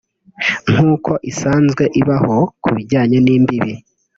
nkuko isanzwe ibaho ku bijyanye n’imbibi